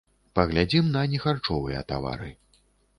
Паглядзім на нехарчовыя тавары.